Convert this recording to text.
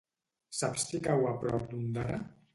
Saps si cau a prop d'Ondara?